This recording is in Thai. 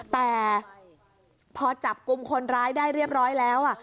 แต่พอจับกลุ่มคนร้ายได้เรียบร้อยแล้ว